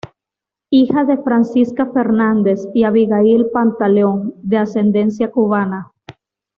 Hija de "Francisca Fernández" y "Abigail Pantaleón" de ascendencia cubana.